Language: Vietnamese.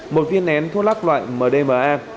một viên nén thuốc lắc loại mdma